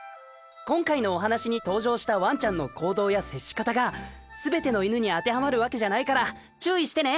今回のお話に登場したワンちゃんの行動や接し方がすべての犬に当てはまるわけじゃないから注意してね。